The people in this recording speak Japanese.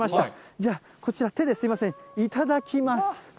じゃあ、こちら、手ですみません、いただきます。